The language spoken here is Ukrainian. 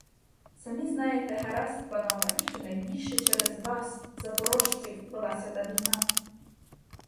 Самі знаєте гаразд, панове, що найбільше через вас, запорожців, велася та війна.